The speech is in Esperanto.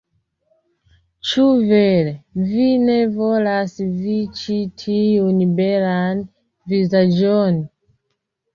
Ĉu vere? Vi ne volas vidi ĉi tiun belan vizaĝon?